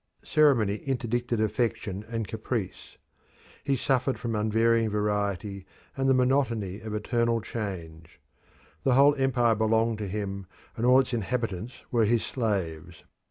Ceremony interdicted affection and caprice. He suffered from unvarying variety and the monotony of eternal change. The whole empire belonged to him, and all its inhabitants were his slaves.